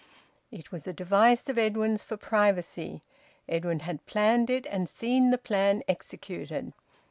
It was a device of Edwin's for privacy; Edwin had planned it and seen the plan executed.